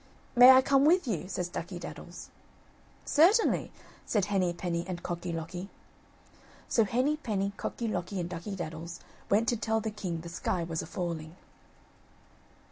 "May I come with you?" says Ducky daddles. "Certainly," said Henny penny and Cocky locky. So Henny penny, Cocky locky and Ducky daddles went to tell the king the sky was a falling.